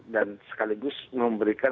dan sekaligus memberikan